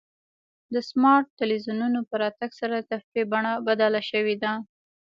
د سمارټ ټلویزیونونو په راتګ سره د تفریح بڼه بدله شوې ده.